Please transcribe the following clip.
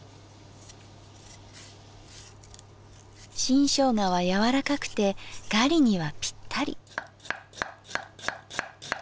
新生姜は柔らかくてガリにはぴったり。